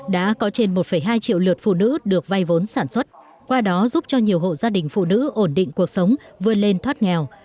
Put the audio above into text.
đã có trên một hai triệu lượt phụ nữ được vay vốn sản xuất qua đó giúp cho nhiều hộ gia đình phụ nữ ổn định cuộc sống vươn lên thoát nghèo